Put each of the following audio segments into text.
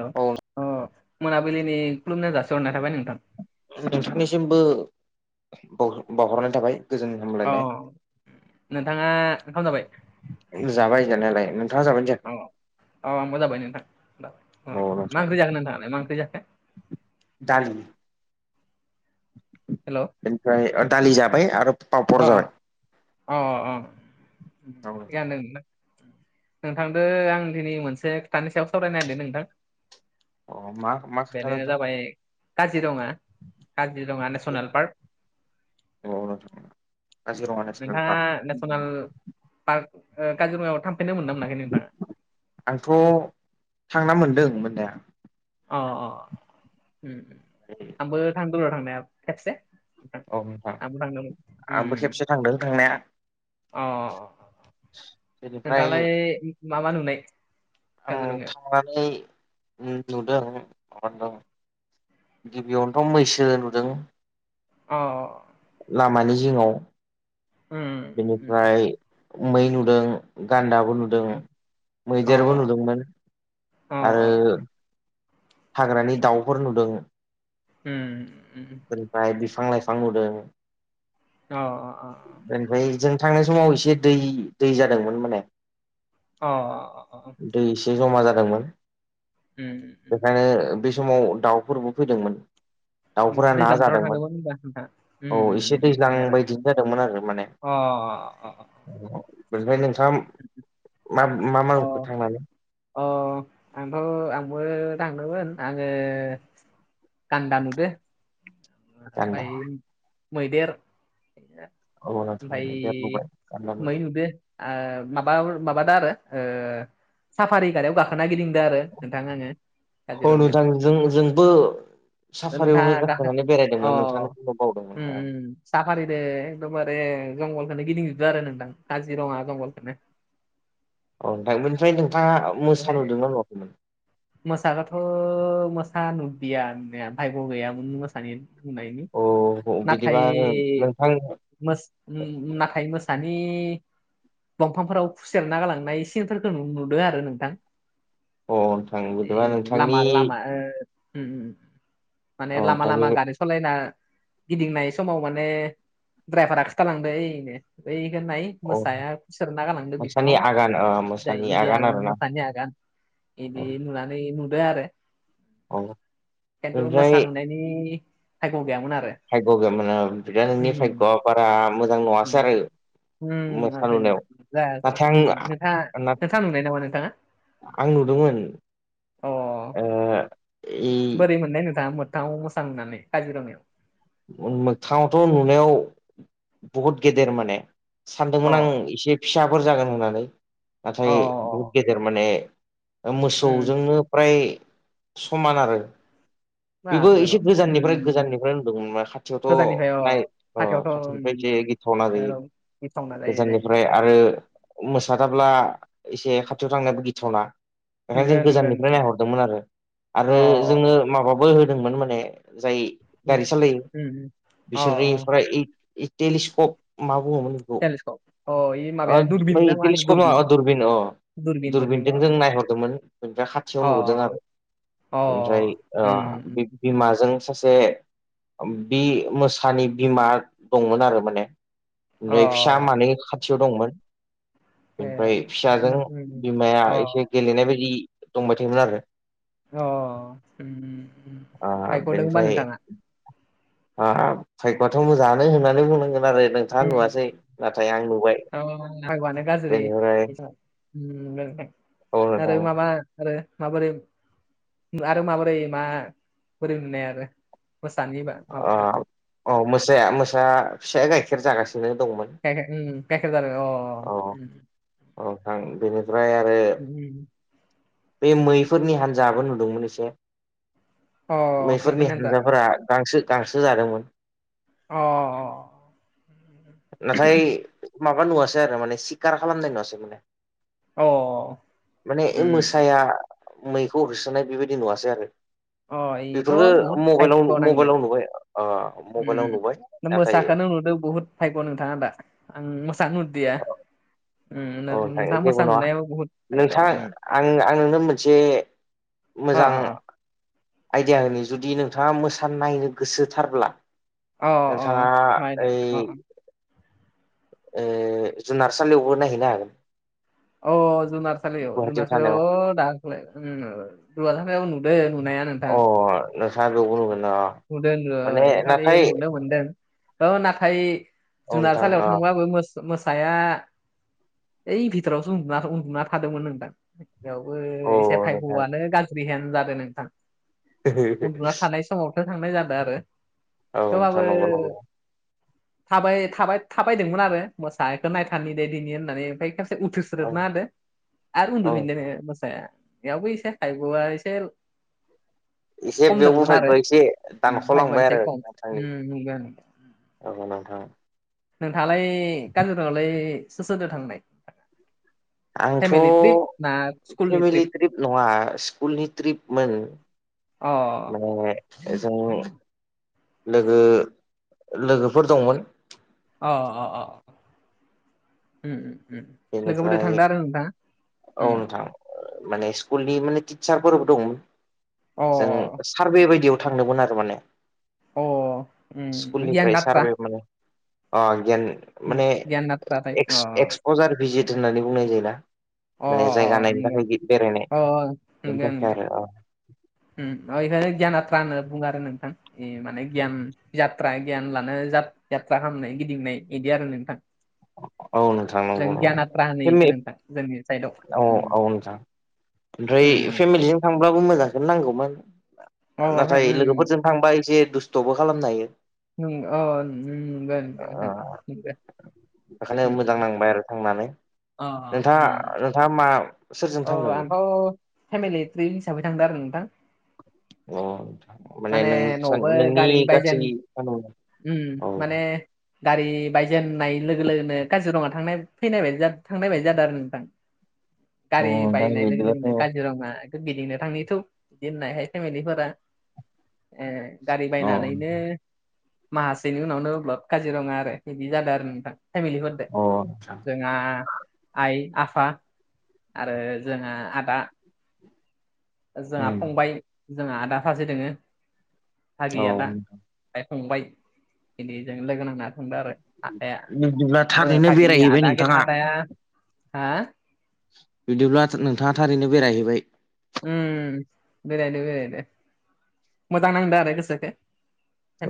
हेल' औ अ मोनाबिलिनि खुलुमनाय जासि हरना थाबाय नोंथां। नोंथांनिसिमबो बावहरनाय थाबाय गोजोन अ हामलायनाय नोंथाङा ओंखाम जाबाय? जाबाय जानायालाय नोंथाङा जाबानो जायाखो औ आंबो जाबाय नोंथां मा ओंख्रि जागोन नोंथाङालाय मा ओंख्रि जाखो? दालि [inaudible] हेल' बेनिफ्राय दालि जाबाय आरो अ पापर जाबाय अ अ अ औ गानदों। नोंथांदो आं दिनै मोनसे खोथानि सायाव सावरायनो नागिरदों नोंथां अ मा मा खोथा बेनो नोंथां जाबाय काजिरङा काजिरङा नेसनेल पार्क अ काजिराङा नेसनेल पार्क। पार काजिरङायाव थामफेरनो मोनदोंना मोनखै नोंथाङा? आंथ' थांना मोनदों मोननाया अ अ उम आंबो थांदों र' थांनाया खेबसे औ नोंथां आंबो थांदोंमोन आंबो उम खेबसे थांदों थांनाया अ बेनिफ्राय नोंथाङालाय माबा नुनाय? काजरङायाव मने ओ उनदुदों मोनदों गिबियावनोथ' मैसो नुदों अ लामानि जिङाव उम उम बेनिफ्राय मै नुदों गान्दाबो नुदों। ओं अ मैदेरबो नुदोंमोन अ आरो हाग्रानि दाउफोर नुदों। उम्म उम्म। ओनफ्राय बिफां लाइफां नुदों। अ अ अ। ओमफ्राय जों थांनाय समाव एसे दै दै जादोंमोन माने अ अ। दै एसे जमा जादोंमोन उम उम बेखायनो बे समाव दाउफोरबो फैदोंमोन। दाउफोरा ना दैज्लां बोथोराव जादोंमोन थांदोंमोन होनबा नोंथाङा औ उम उम एसे उम दैज्लां थिग आरो बायदि दोनदोंमोन आरो माने अ अ ओनिफ्राय नोंथाङा मा मा अ नुखो थांनानै? अ आंथ' आंबो थांदोंमोन आङो गान्दा नुदो गान्दा ओमाय मैदेर औ नोंथां ओमफाय दे बुंबाय गान्दा नुबाय मै नुदों ओ माबा माब दा आरो ओ साफारि गारियाव गाखोना गिदिंदों आरो नोंथां आंङो औ काजिरङायाव नोंथां जों जोंबो ओ साफारियावनो नोंथाङा गाखो गाखोनानै अ बेरायदोंमोन नोंथांनो बुंनो बावदोंमोन उम्म औ उम्म। साफारिदो एखदमबारे जंगलखौनो गिदिंजोबदो आरो नोंथां काजिरङा जंगलखोनो औ नोंथां बिनिफ्राय नोंथाङा मोस नुदोंना नुवाखैमोन? मोसाखोथ' मोसा नुदिया नुनाया भायग' गैयामोन मोसानि बुंनायनि अ बिदिबा नाथाय नोंथां अ मोस उम नाथाय मोसानि दंफांफोराव खुसेरना गालांनाय सिनफोरखौ नुदों आरो नोंथां। नोंथां बिदिबा ए नोंथांनि लामा लामा ओ अ माने लामा नोंथांनि लामा गारि सलायना गिदिंनाय समाव माने ड्राइभारा खिथालांदो ऐनो बैखो नाय अ मोसाया खुसेरना गालांदों मोसानि बिफाङाव आगान ओ मोसानि जायो बिदिया आगान आरो आरोना [unintelligible] आगान औ बिदि नुनानै नुदो आरो। औ खिन्थु ओमफ्राय मोसा नुनायनि भायग' गैयामोन आरो। भाय्ग' [unintelligible] नोंनि भाग'आ उम बारा मोजां नङासै आरो। [unintelligible] उम्म मोसा नुनायाव जायासै नाथाय नोंथाङा आं नोंथा नुनाय नामा नोंथाङा? आं नुदोंमोन। अ। ओ इ बोरै मोननाय नोंथाङा मोगथांङाव मोसा नुनानै काजिरङायाव? मोगथाङावथ' नुनायाव बहुत गेदेर माने। अ सानदोंमोन आं एसे फिसाफोर जागोन होननानै अ नाथाय बहुद गेदेर माने उम मोसौजोंनो फ्राय समान आरो। बेबो बाब रे एसे बाब गोजाननिफ्राय उम गोजाननिफ्राय खाथियावथ' गोजाननिफ्राय अ नाय ओ खाथियावथ' खाथिनिफ्राय उम एसे गिथावना जायो गिथावना जायो जायो गोजाननिफ्राय आरो मोसाथाब्ला एसे खाथियाव थांनायाबो गिथावना। बेखायनो नंगौ जों नंगौ गोजाननिफ्राय नंगौ नायहरदोंमोन आरो अ आरो जोङो माबाबो होदोंमोन माने जाय उम गारि सालायो उम उम। अ बिसोरनिफ्राय ऐ [unintelligible] टेलिस्कप मा बुङोमोन? औ टेलिस्कप अ इ अ माबाया दुरबिन ना बै मा होनो तेलिस्कप दुरबिन अ। दुरबिन दुरबिन अ दुरबिनजों जों दुरबिन नायहरदोंमोन बेनिफ्राय खाथियाव अ नुहरदों आरो। अ ओमफ्राय ओ उम बे उम बिमाजों सासे बि मोसानि बिमा दंमोन आरो माने अ नै फिसा मानै थियाव दंमोन ए बेमफ्राय फिसाजों बिमाया अ एसे गेलेनाय बायदि दंबाय थायोमोन आरो। अ उम उम। आ फायग'दों होनबा बेनिफाय नोंथाङा आ फायबाथ मोजाङानो होननानै बुंनांगोन आरो नों थाङा उम नुवासै नाथाय आं नुबाय। अ ओ ओम आरो माबा आरो माबोरै आरो माबोरै मा बोरै नुनाय आरो? मोसानि बा माबा आ औ मोसाया मोसा फिसाया गाइखेर जागासिनो दंमोन। [unintelligible] अ औ उम उम। औ थां बेनिफ्राय आरो उम बे मैफोरनि हान्जायाबो नुदोंमोन एसे। अ मैफोरनि मैखुन हान्जा हानजाफोरा गांसो गांसो जादोंमोन। अ अ अ। नाथाय माबा नुवासै आरो माने सिखार खालामनाय नुवासै माने। अ माने उम ओय मोसाया मैखौ होसोनाय बेबायदि नुवासै आरो। अ इथ' बेफोरखो बहुद मबल भायग' नांगो मबाइलाव नुबाय ओ मबाइलाव नुबाय। नाथाय मोसाखोनो नुदों बुहुद फायग' नोंथाङा दा आं मोसानो नुदिया। उम औ नोंथां नोंथाङा मोसा जेबो नङा नुनायाबो बुहुद भायग' नोंथां उम आं आं नोंनो मोनसे अ मोजां अ अ आइदिया होनो जुदि नोंथाङा मोसा नायनो गोसोथारब्ला अ अ नोंथाङा माइ ओइ अ अ ओ जुनारसालियावबो नायहैनो हागोन। अ जुनारसालियाव गुवाहाटियाव थानायाव जुनारसालियाव अ दाखलै ओ जुनारसालियाव नुदो नुनाया। [unintelligible] [unintelligible] नुदों ओ माने इखालि नाथाय नुदों मोनदों। ओ नाथाय औ नोंथां जुनारसालिायाव अ थांब्लाबो मो मोसाया ओइ भितरावसो उन्दुना उन्दुना थादोंमोन नोंथां। बेयावबो औ एसे नोंथां भायगवानो गाज्रिहेन जादों नोंथां। [unintelligible] नाय समावथ' थांनाय जादों आरो औ नोंथां थेवब्लाबो नंगौ नंगौ थाबाय थाबाय थाबायदोंमोन आरो मोसानायखौ नायथारनि दे दिनि होननानै ओमफ्राय खेबसे उथुस औ सोदोदना होदो आरो औ उन्दुफिनदोनो मोसाया इयावबो एसे भायगवा एसे एसे खमदोंमोन आरो बेयावबोफायग एसे उम भाग्यआ दानख'लांबाय एसे आरो खम नोंथांनि। उम नंगौ औ नोंथां। नोंथाङालाय काजिरङालाय सोर सोरदो थांनाय? आंथ' फेमेेलि त्रिप ना सकुलनि फेमिलि त्रिप? ट्रिप नङा स्कुलनि ट्रिपमोन। अ माने जों लोगो लोगोफोर दंमोन। अ अ अ उम उम उ। लोगोफोरजों बेनिफ्राय थांदों आरो नोंथाङा। ओ माने स्कुलनि माने टिचारफोरबो दंमोन। अ जों सारभे बायदियाव थांदोंमोन आरो माने। अ उम गियान स्कुलनिफ्राय नाथ्रा सारभे माने अ गियान [unintelligible] अजार भिजित होननानै बुंनाय जायोना‌। अ माने जायगा अ नायनो नंगौ थाखाय गि बेरायनाय अ बेनि थाखाय आरो अ। उम ओयहायनो गियान याथ्रा होनना बुङो आरो नोंथां। ए माने गियान जात्रा गियान लानो जात जात्रा खालामनाय गिदिंनाय इदि आरो नोंथां। [inaudible] औ नोथां जों नंगौ औ। गियान आथ्रा होनो इखो नोंथां जोंनि साइडआव औ उम औ नोथां। ओमफ्राय उम फेमिलिजों थांब्लाबो मोजांखौनो नांगौमोन माबाखो नाथाय उम लोगोफोरजों थांबा एसे दुस्थ'बो खालामनो हायो उम अ [unintelligible] बेखायनो मोजां उम नांबाय आरो थांनानै अ नोंथाङा नोंथाङ मा सोरजों औ थांदोंमोन आंथ' फेमिलि ट्रिप हिसाबै थांदों आरो नोंथां अ माने नों सान नोंनि गासै [unintelligible] उ औ माने गारि बायजेननाय लोगो लोगोनो काजिरङा थांनाय फैनाय बायदि थांनाय बायदि जादों आरो नोंथां अ गारि नोंथां बायनाय लोगो बिदिबाथ' लोगोनो अ काजिरङा गिदिंनो थांनि थु बिदि होननायहाय फेमिलिफोरा ए गारि अ बायनानैनो माहासेनि उनावनो ब्लद काजिरङा आरो बिदि जादों आरो नोंथां। फेमिलिफोरदो आतसा जोंहा आइ आफा आरो जोंहा आदा जोंहा उम फंबाय जोंहा आदा खासे दोङो फागि औ आदा। खायखांबाय इदिजों लोगो नांना होनदो आरो आदाया बिब्दिब्ला थारैनो फागिनि बेरायहैबाय आदा गे नोंथाङा आदाया हा बिदिब्ला नोंथाङा थारैनो बेरायहैबाय उम बेरायदो बेरायदो मोजां नांदो आरो गोसोखो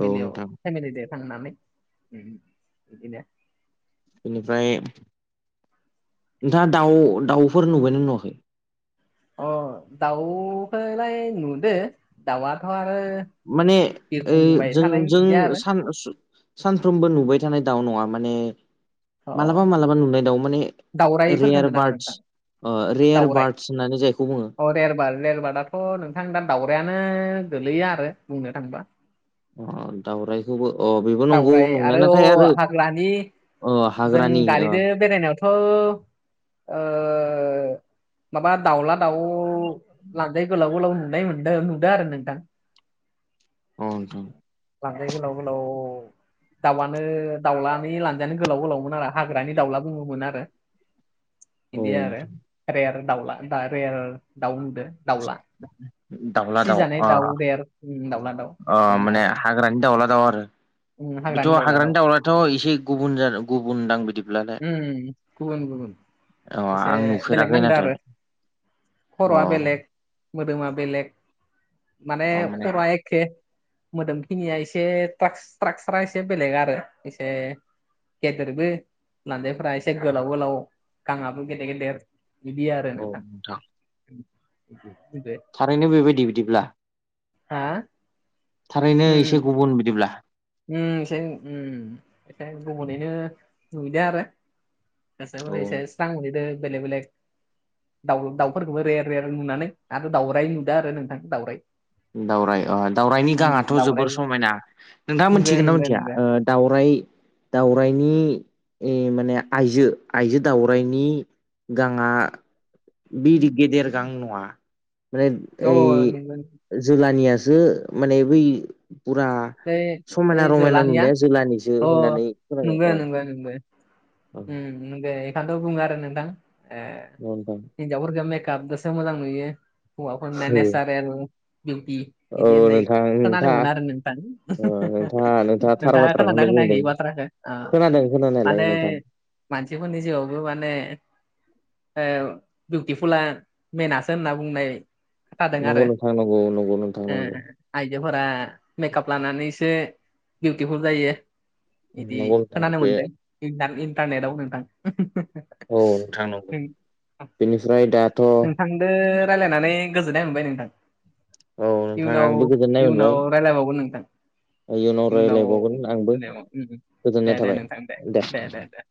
औ नोंथां फेमिलिजों थांनानै बिदिनो बेनिफ्राय नोंथाङा दाउ दाउफोर नुबायना नुवाखै अ दाउखौलाय नुदो दाउआथ' आरो माने ओ बिरफुंबाय जों थानाय बिदि जों आरो सान सु सानफ्रोमबो नुबाय थानाय दाउ नङा माने अ मालाबा मालाबा नुनाय दाउ माने दावराइफोरखौ रेयार होनदों नामा बार्डस नोंथां अ रेयार बार्टस होननानै जायखौ बुङो रेयार बार्द बार्दथ' नोंथां दा दावरायानो गोलैया आरो बुंनो थाङोबा अ दावरायखौबो अ बेबो नंगौ दावराइ नंनाय नाथाय आरो अ हाग्रानि अ हाग्रानि अ हो ओ माबा दाउला दाउ लानजाय गोलाव गोलाव नुनाय मोनदों नुदो आरो नोंथां अ नोंथां लानजाय गोलाव गोलाव दाउआनो दाउलानि लांजायानो गोलाव गोलाव मोन आरो हाग्रानि दाउला बुङोमोन आरो बिदि औ आरो रेयार दाउला दा रेयार दाउ नुदो दाउला दाउला फिसिजानाय दाउ रेयार उम दाउला दाउ अ बेनो माने आरो हाग्रानि दावला दाव आरो उम बेथ' दाउला हाग्रानि दाउ दाउलाथ' एसे गुबुन जा गुबुनदां बिदिब्लालाय उम गुबुन गुबुन अ एसे आं बेलेग नुफेराखै नांदो आरो नाथाय अ खर'आ बेलेग मोदोमा बेलेग माने खर'आ एक एके मोदोमखिनिया एसे ट्राक ट्राकसारा एसे बेलेग आरो एसे गेदेरबो लान्जायफ्रा एसे गोलाव गोलाव गांआबो गेदेर गेदेर बिदि आरो नोंथां थारैनो बेबायदि बिदिब्ला हा थारैनो उम एसे गुबुन बिदिब्ला उम एसे उम एसे गुबुनैनो नुदो आरो एसे औ हरै एसे स्रां नुहैदो बेलेग बेलेग दाउ दाउफोरखौबो रेेयार रेेयार नुनानै आरो दाउराय नुदो आरो नोंथां दाउराय दावराय अ दाउरायनि गांआथ' जोबोर दाउराइबो समायना नोंथाङा नंगो मोनथिगोन ना नंगो मिथिया नंगो ओ दावराय दावरायनि ओ माने आइजो आइजो दाावरायनि गाङा बिदि गेदेर गां नङा माने औ ओइ नंगो जोलानियासो माने बै फुरा ओइ समायना ओइ रमायना जोलानिया नुनाया जोलानि जो अ होननानै खोनायो ओ। [unintelligible] उम [unintelligible] बेखायनोथ' बुङो आरो नोंथां ए [unintelligible] हिन्जावफोरखो मेकआपजोंसो मोजां नुयो हौवाफोरना नेसारेल बिउटि औ इदि होन्नाय नोंथां औ नोंथां नोंथाङा खोनादोंमोन आरो नों ओ नोंथाङा [unintelligible] थार नोंथाङा खोनादोंना बाथ्राखौनो बुंदों खोनायाखै बाथ्राखौ ओ खोनादों खोनानायालाय माने नोंथां मानसिफोरनि जिउआवबो माने ओ बिउटिफुला मेेनासो होनना बुंनाय खोथा दों नंगौ आरो नोंथां नंगौ नंगौ नोंथां ओ नंगौ आइजोफोरा मेकाप लानानैसो बिउटिफुल जायो। बिदि नंगौ नोंथां खोनानो बे मोनदों इन्टा-इन्टारनेटाव नोंथां औ नोंथां नंगौ बेनिफ्राय दाथ' नोंथांदो राय्लायनानै गोजोननाय मोनबाय नोंथां औ नोंथां इयुनाव आंबो गोजोननाय इयुनाव मोनबाय रायलायबावगोन नोंथां। इयुनाव रायलायबावगोन आंबो गोजोननाय दे दे थाबाय नोंथां दे दे दे